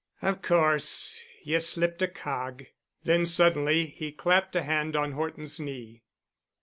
"Of course—ye've slipped a cog——" Then suddenly he clapped a hand on Horton's knee.